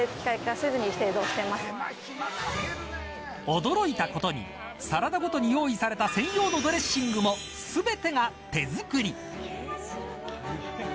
驚いたことにサラダごとに用意された専用のドレッシングも全てが手作り。